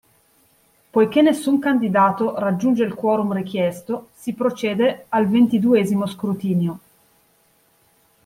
Poiché nessun candidato raggiunge il quorum richiesto, si procede al ventiduesimo scrutinio.